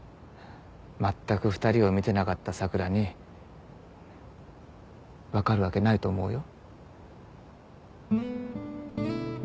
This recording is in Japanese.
まったく２人を見てなかった佐倉に分かるわけないと思うよ。